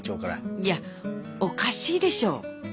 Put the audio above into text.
いやおかしいでしょ？